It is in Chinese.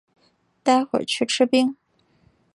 待会去吃冰